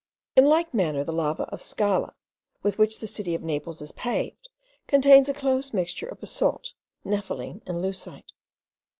In like manner the lava of Scala, with which the city of Naples is paved, contains a close mixture of basalt, nepheline, and leucite.